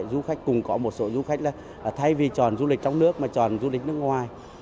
dù khách cùng có một số du khách thay vì tròn du lịch trong nước mà tròn du lịch nước ngoài